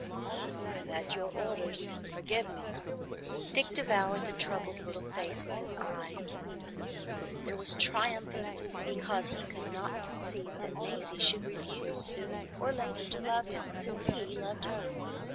"I'm at your orders; forgive me." Dick devoured the troubled little face with his eyes. There was triumph in them, because he could not conceive that Maisie should refuse sooner or later to love him, since he loved her.